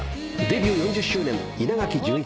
デビュー４０周年稲垣潤一さん。